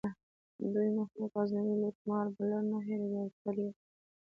دوی محمود غزنوي لوټمار بلل نه هیروي او تل یې یادوي.